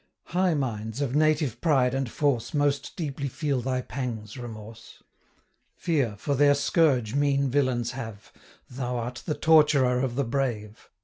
High minds, of native pride and force, 200 Most deeply feel thy pangs, Remorse! Fear, for their scourge, mean villains have, Thou art the torturer of the brave!